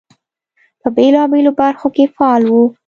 په بېلابېلو برخو کې فعال وو.